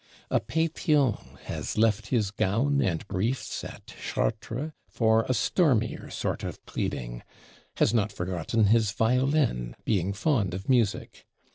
A Pétion has left his gown and briefs at Chartres for a stormier sort of pleading; has not forgotten his violin, being fond of music.